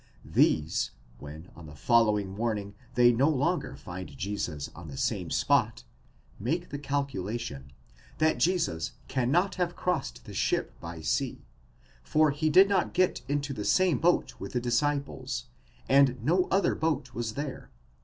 These, when on the following morning they no longer find Jesus on the same spot, make the calculation, that Jesus cannot have crossed the sea by ship, for he did not get into the same boat with the disciples, and no other boat was there (v.